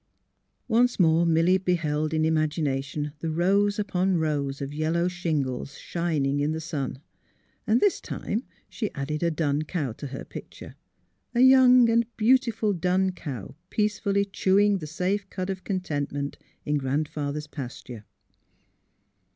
Once more Milly beheld in imagination the rows upon rows of yellow shingles, shining in the sun; and this time she added a dun cow to her picture — a young and beautiful dun cow, peacefully chewing the safe cud of contentment in Grandfather's pas ture.